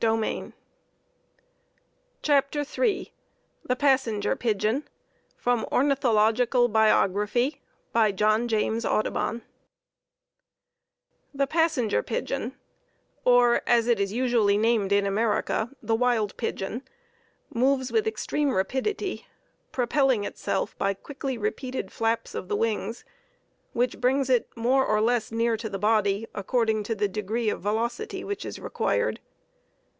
Audubon Plate_] CHAPTER III The Passenger Pigeon From "Ornithological Biography," by John James Audubon The Passenger Pigeon, or, as it is usually named in America, the Wild Pigeon, moves with extreme rapidity, propelling itself by quickly repeated flaps of the wings, which it brings more or less near to the body, according to the degree of velocity which is required.